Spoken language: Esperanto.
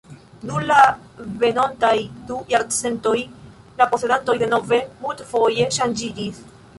Dum la venontaj du jarcentoj la posedantoj denove multfoje ŝanĝiĝis.